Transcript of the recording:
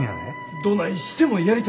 どないしてもやりたいんです。